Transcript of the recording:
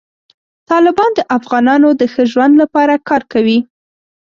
طالبان د افغانانو د ښه ژوند لپاره کار کوي.